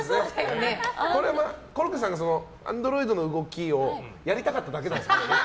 これはコロッケさんがアンドロイドの動きをやりたかっただけなんです。